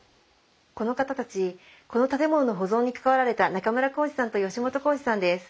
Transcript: この方たちこの建物の保存に関わられた中村興司さんと吉本昂二さんです。